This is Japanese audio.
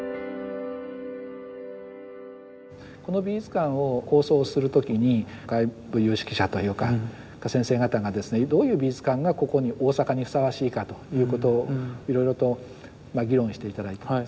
この美術館を構想する時に外部有識者というか先生方がですねどういう美術館がここに大阪にふさわしいかということをいろいろと議論して頂いた。